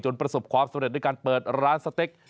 ประสบความสำเร็จด้วยการเปิดร้านสเต็ก